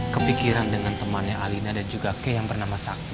kepikiran dengan temannya alina dan juga ke yang bernama sakti